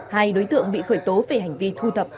hai đối tượng bị khởi tố về hành vi thu thập